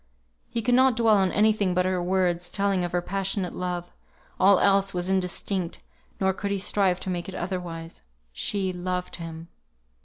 He could not dwell on any thing but her words, telling of her passionate love; all else was indistinct, nor could he strive to make it otherwise. She loved him.